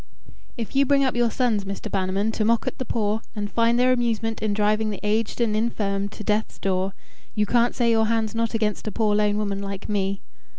"If you bring up your sons, Mr. Bannerman, to mock at the poor, and find their amusement in driving the aged and infirm to death's door, you can't say your hand's not against a poor lone woman like me."